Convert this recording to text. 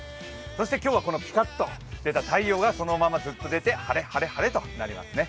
そして今日はピカッと出た太陽でそのまま出て、晴れ、晴れ、晴れとなりますね。